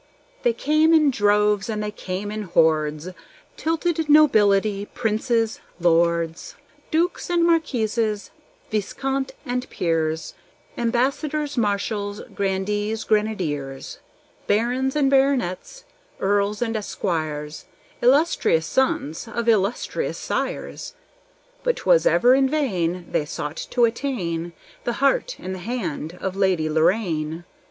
They came in droves, and they came in hordes, Titled nobility, princes, lords, Dukes and marquises, viscounts and peers, Ambassadors, marshals, grandees, grenadiers, Barons and baronets, earls, and esquires, Illustrious sons of illustrious sires: But 'twas ever in vain They sought to attain The heart and the hand of the Lady Lorraine.